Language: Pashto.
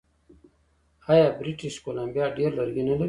آیا بریټیش کولمبیا ډیر لرګي نلري؟